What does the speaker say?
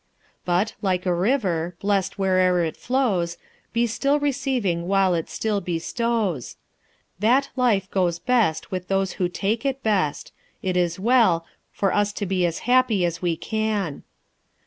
"But like a river, blest where'er it flows, Be still receiving while it still bestows." "That life Goes best with those who take it best. it is well For us to be as happy as we can!"